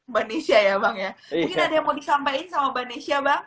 mbak nesya ya bang ya mungkin ada yang mau disampaikan sama mbak nesya bang